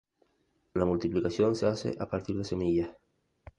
La multiplicación se hace a partir de semillas.